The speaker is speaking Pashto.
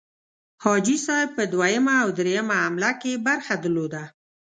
حاجي صاحب په دوهمه او دریمه حمله کې برخه درلوده.